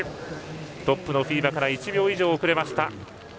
トップのフィーバから１秒以上遅れました。